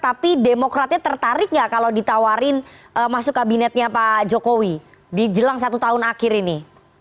tapi demokratnya tertarik nggak kalau ditawarin masuk kabinetnya pak jokowi di jelang satu tahun akhir ini